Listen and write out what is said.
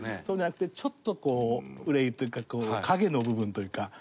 そうじゃなくてちょっとこう憂いというか影の部分というか。